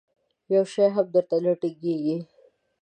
یو شی هم در ته نه ټینګېږي.